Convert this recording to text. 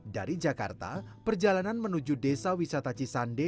dari jakarta perjalanan menuju desa wisata cisande